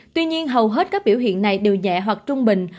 tuy nhiên hầu hết các biểu hiện này đều nhẹ hoặc trung bình